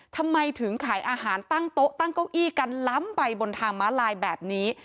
ทำไมถึงขายอาหารตั้งโต๊ะตั้งเก้าอี้กันล้ำไปบนทางม้าลายแบบนี้